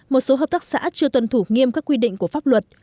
một số hợp tác xã chưa tuân thủ nghiêm các quy định của pháp luật